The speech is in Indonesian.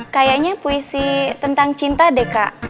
kayaknya puisi tentang cinta deh kak